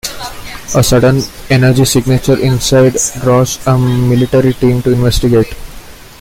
A sudden energy signature inside draws a military team to investigate.